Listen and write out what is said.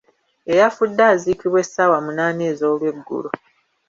Eyafudde azikibwa essaawa munaana ez'olweggulo.